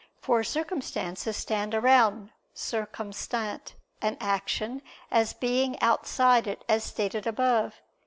For circumstances stand around (circumstant) an action, as being outside it, as stated above (Q.